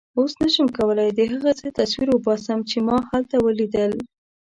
اوس نه شم کولای د هغه څه تصویر وباسم چې ما هلته ولیدل.